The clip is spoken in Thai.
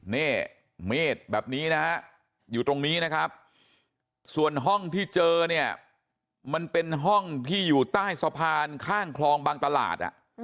นี่มีดแบบนี้นะฮะอยู่ตรงนี้นะครับส่วนห้องที่เจอเนี่ยมันเป็นห้องที่อยู่ใต้สะพานข้างคลองบางตลาด